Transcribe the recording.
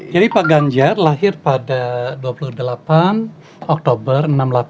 jadi pak ganjar lahir pada dua puluh delapan oktober enam puluh delapan